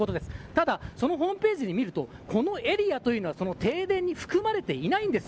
ただ、そのホームページを見るとこのエリアは停電に含まれていないんです。